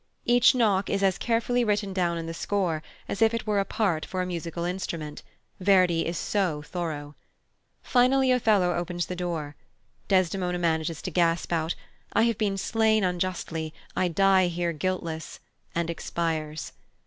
Each knock is as carefully written down in the score as if it were a part for a musical instrument Verdi is so thorough. Finally Othello opens the door. Desdemona manages to gasp out, "I have been slain unjustly, I die here guiltless," and expires.